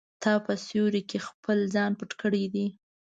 تا په سیوري کې خپل ځان پټ کړی دی.